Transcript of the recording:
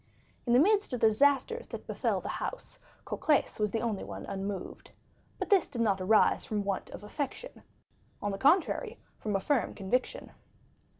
In the midst of the disasters that befell the house, Cocles was the only one unmoved. But this did not arise from a want of affection; on the contrary, from a firm conviction.